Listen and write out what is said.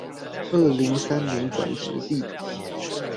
二零三零轉職地圖